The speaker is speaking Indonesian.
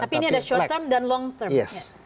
tapi ini ada short term dan long term